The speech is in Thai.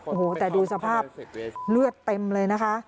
โอ้โหแต่ดูสภาพเลือดเต็มเลยนะคะ